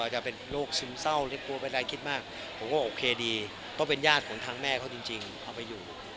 ต้องเป็นญาติผมทางแม่เขาจริงเอาไปอยู่